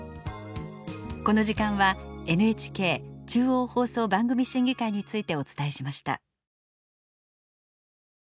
この時間はＮＨＫ中央放送番組審議会についてお伝えしました。